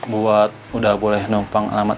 ya udah apa apa